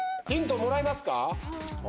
ヒントもらいますか？